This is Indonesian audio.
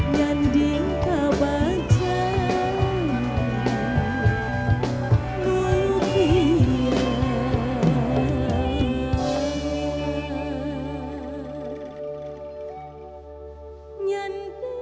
nyanding kabar jalan